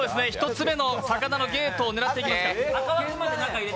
１つ目の魚のついたゲートを狙っていきますか。